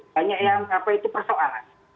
banyak yang apa itu persoalan